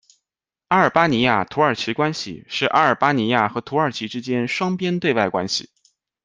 阿尔巴尼亚－土耳其关系是阿尔巴尼亚和土耳其之间双边对外关系。